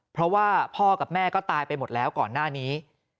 เพราะว่าพ่อกับแม่ก็ตายไปหมดแล้วก่อนหน้านี้